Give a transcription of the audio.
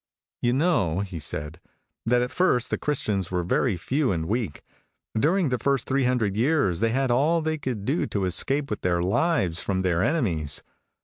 "You know," he said, "that at first the Christians were very few and weak; during the first three hundred years they had all they could do to escape with their lives from their enemies.